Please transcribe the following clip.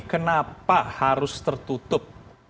kenapa harus tertutup